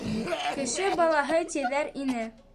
Кеше балаһы тиҙәр ине...